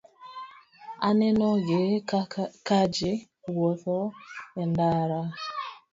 Anenogi kagi wuotho e ndara.